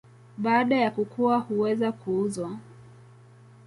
Baada ya kukua huweza kuuzwa.